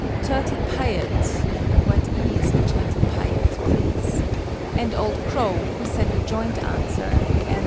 TURTLE PYATE (what is a Turtle Pyate, please?) and OLD CROW, who send a joint answer, and Y.